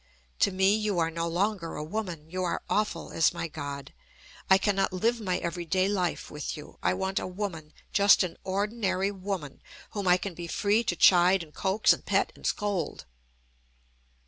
To me you are no longer a woman. You are awful as my God. I cannot live my every day life with you. I want a woman just an ordinary woman whom I can be free to chide and coax and pet and scold."